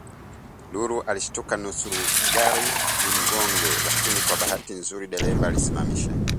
Lulu alishtuka nusuragari limgonge lakini kwa bahati nzuri dereva alilisimamisha